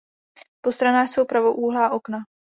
Po stranách jsou pravoúhlá okna.